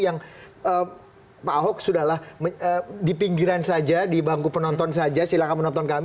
yang pak ahok sudah lah di pinggiran saja di bangku penonton saja silahkan menonton kami